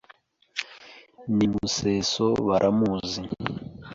N'i Museso baramuzi